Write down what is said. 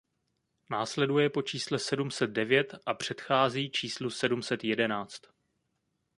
Následuje po čísle sedm set devět a předchází číslu sedm set jedenáct.